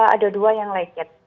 ada dua yang lecet